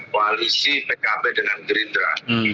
koalisi pkb dengan gerindra